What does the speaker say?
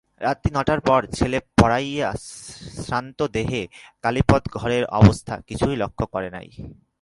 রাত্রি নটার পর ছেলে পড়াইয়া শ্রান্তদেহে কালীপদ ঘরের অবস্থা কিছুই লক্ষ করে নাই।